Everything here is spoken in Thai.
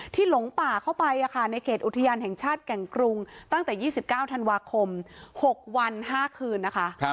หลงป่าเข้าไปในเขตอุทยานแห่งชาติแก่งกรุงตั้งแต่๒๙ธันวาคม๖วัน๕คืนนะคะ